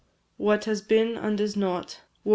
What has been, and is not, &c.